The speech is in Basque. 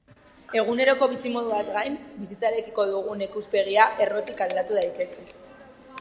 Eguneroko bizimoduaz gain, bizitzarekiko dugun ikuspegia errotikaldatu daiteke.